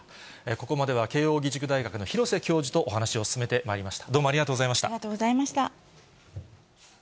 ここまでは慶應義塾大学の廣瀬教授とお話を進めてまいりました。